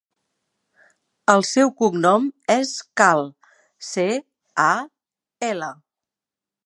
El seu cognom és Cal: ce, a, ela.